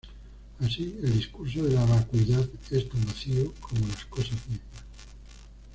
Así, el discurso de la vacuidad es tan vacío como las cosas mismas.